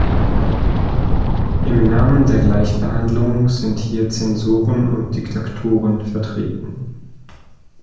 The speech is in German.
Im Namen der Gleichbehandlung sind hier Zensoren und Diktatoren vertreten.